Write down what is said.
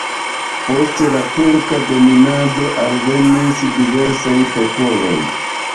Post la turka dominado alvenis diversaj popoloj.